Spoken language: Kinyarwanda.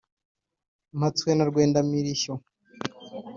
mpatswe na rwenda-mirishyo.